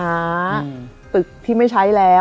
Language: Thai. ตึกที่ไม่ใช้แล้ว